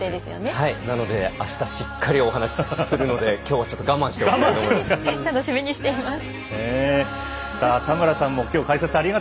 はい、なのであしたしっかりお話しするのできょうはちょっと我慢したいと思います。